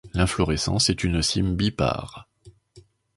L'inflorescence est une cyme bipare.